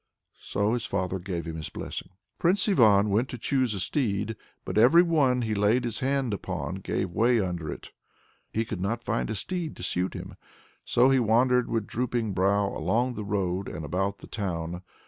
So his father gave him his blessing. Prince Ivan went to choose a steed, but every one that he laid his hand upon gave way under it. He could not find a steed to suit him, so he wandered with drooping brow along the road and about the town.